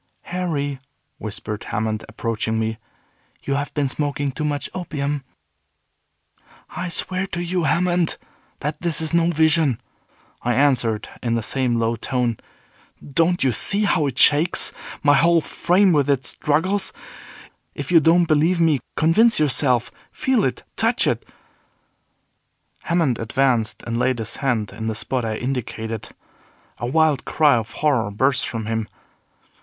"Harry," whispered Hammond, approaching me, "you have been smoking too much opium." "I swear to you, Hammond, that this is no vision," I answered, in the same low tone. "Don't you see how it shakes my whole frame with its struggles? If you don't believe me, convince yourself. Feel it, touch it." Hammond advanced and laid his hand in the spot I indicated. A wild cry of horror burst from him.